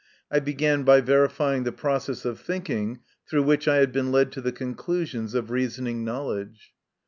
I began by verifying the process of thinking through which I had been led to the conclu sions of reasoning knowledge.